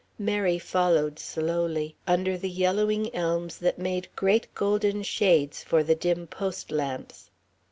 Mary followed slowly, under the yellowing elms that made great golden shades for the dim post lamps.